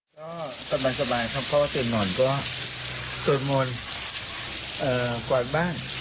มาได้ไปไหนครับ